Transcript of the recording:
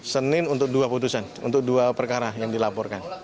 senin untuk dua putusan untuk dua perkara yang dilaporkan